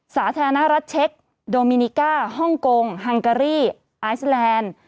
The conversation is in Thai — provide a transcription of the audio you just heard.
สาธารณรัฐเช็คโดมินิก้าฮ่องกงฮังการีไอซแลนด์